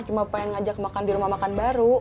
cuma pengen ngajak makan di rumah makan baru